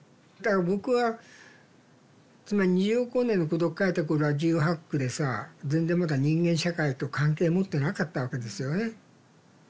だから僕はつまり「二十億光年の孤独」書いた頃は１８１９でさ全然まだ人間社会と関係持ってなかったわけですよね。